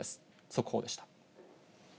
速報でした。